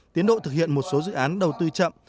tiến độ thực hiện một số dự án đầu tư chậm